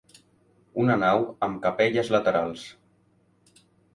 Una nau amb capelles laterals.